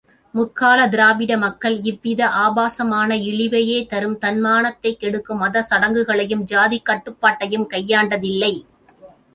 முற்காலத் திராவிட மக்கள் இவ்வித ஆபாசமான, இழிவையே தரும், தன்மானத்தைக் கெடுக்கும் மதச் சடங்குகளையும் சாதிக் கட்டுப்பாட்டையும் கையாண்டதில்லை.